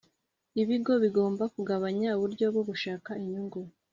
Ibigo bigomba kugabanya uburyo bwo gushaka inyungu